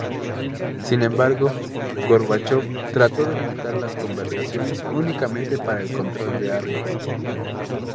Sin embargo, Gorbachov trató de limitar las conversaciones únicamente para el control de armas.